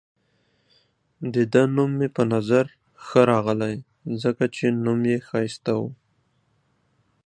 د ده نوم مې په نظر ښه راغلی، ځکه چې نوم يې ښایسته وو.